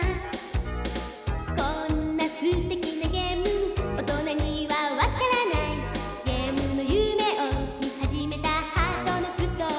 「こんなすてきなゲーム大人にはわからない」「ゲームの夢をみはじめたハートのストーリー」